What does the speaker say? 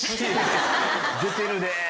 出てるね。